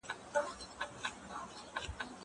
زه د کتابتون د کار مرسته کړې ده!!